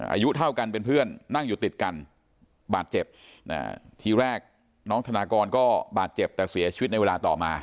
อายุเท่ากันเป็นเพื่อนนั่งอยู่ติดกันบาดเจ็บทีแรกน้องธนากรก็บาดเจ็บแต่เสียชีวิตในเวลาต่อมา